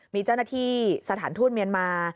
มีเจ้าหน้าที่สถานทูตเมียนมา